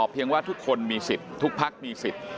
เพียงว่าทุกคนมีสิทธิ์ทุกพักมีสิทธิ์